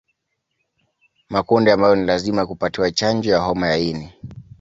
Makundi ambayo ni lazima kupatiwa chanjo ya homa ya ini